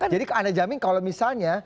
jadi anda jamin kalau misalnya